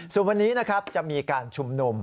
ส่วนวันนี้นะครับจะมีการชุมนุม